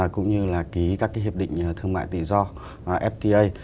cũng như là ký các cái hiệp định thương mại tỷ do fta